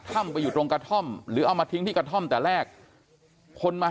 ไปอยู่ตรงกระท่อมหรือเอามาทิ้งที่กระท่อมแต่แรกคนมา